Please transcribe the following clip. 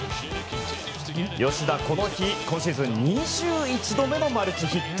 吉田はこの日、今シーズン２１度目のマルチヒット。